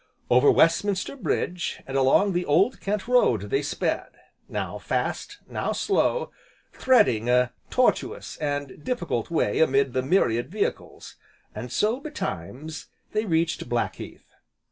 Over Westminster Bridge, and along the Old Kent Road they sped, now fast, now slow, threading a tortuous, and difficult way amid the myriad vehicles, and so, betimes, they reached Blackheath.